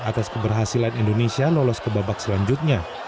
atas keberhasilan indonesia lolos ke babak selanjutnya